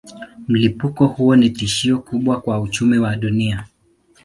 Mlipuko huo ni tishio kubwa kwa uchumi wa dunia.